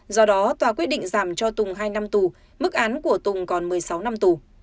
do đó tòa quyết định giảm cho tùng hai năm tù mức án của tùng còn một mươi sáu năm tù